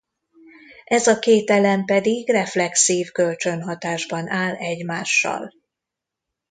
Ez a két elem pedig reflexív kölcsönhatásban áll egymással.